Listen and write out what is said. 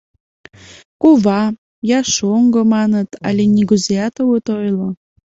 — «Кува»я «шоҥго» маныт але нигузеат огыт ойло.